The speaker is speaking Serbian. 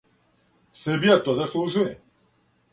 Србија то заслужује.